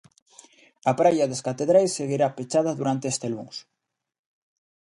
A praia das Catedrais seguirá pechada durante este luns.